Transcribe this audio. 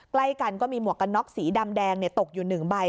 ใกล้กันก็มีหมวกกันน็อกสีดำแดงตกอยู่๑ใบ